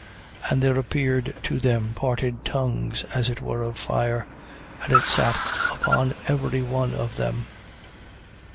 2:3. And there appeared to them parted tongues, as it were of fire: and it sat upon every one of them.